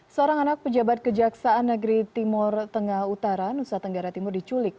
seorang anak pejabat kejaksaan negeri timur tengah utara nusa tenggara timur diculik